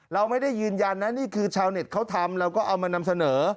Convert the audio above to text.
เราไม่ได้ยืนยันนะนี่คือชาวเน็ตเขาทำเราก็เอามานำเสนอ